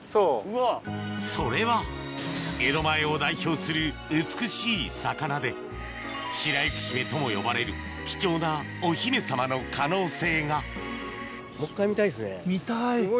それは江戸前を代表する美しい魚で白雪姫とも呼ばれる貴重なお姫様の可能性が見たい。